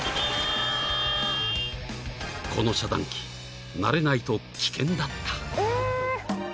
［この遮断機慣れないと危険だった］